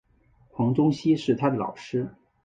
黄宗羲是他的老师。